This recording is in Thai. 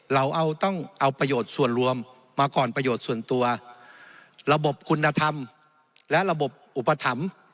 เราเอาต้องเอาประโยชน์ส่วนรวมมาก่อนประโยชน์ส่วนตัวระบบคุณธรรมและระบบอุปถัมภ์